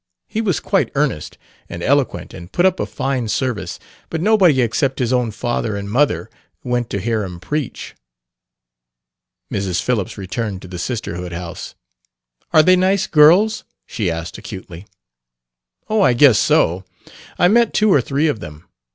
He was quite earnest and eloquent and put up a fine service; but nobody except his own father and mother went to hear him preach." Mrs. Phillips returned to the Sisterhood house. "Are they nice girls?" she asked acutely. "Oh, I guess so. I met two or three of them.